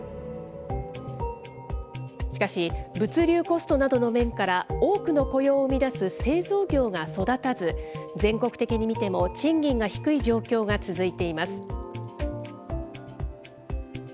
しかし、物流コストなどの面から、多くの雇用を生み出す製造業が育たず、全国的に見ても賃金が低い状況が続いています。